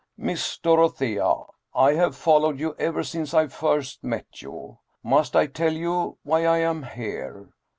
" Miss Dorothea, I have followed you ever since I first met you. Must I tell you why I am here